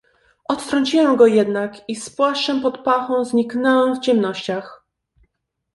"Odtrąciłem go jednak i z płaszczem pod pachą zniknąłem w ciemnościach."